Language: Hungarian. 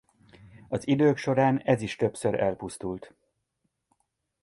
Az idők során ez is többször elpusztult.